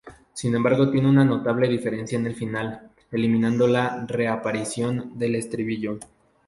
Sin embargo tiene una notable diferencia en el final, eliminando la "reaparición" del estribillo.